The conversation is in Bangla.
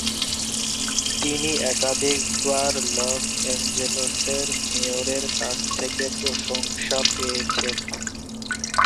তিনি একাধিকবার লস অ্যাঞ্জেলেসের মেয়রের কাছ থেকে প্রশংসা পেয়েছেন।